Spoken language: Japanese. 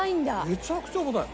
めちゃくちゃ重たい。